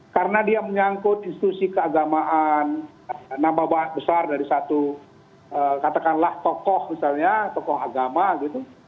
karena dia menyangkut institusi keagamaan nambah besar dari satu katakanlah tokoh misalnya tokoh agama gitu